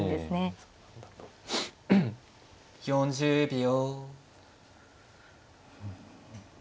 ４０秒。